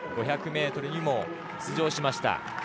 ５００ｍにも出場しました。